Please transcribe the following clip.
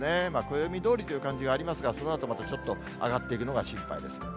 暦どおりという感じはありますが、そのあとまたちょっと上がっていくのが心配です。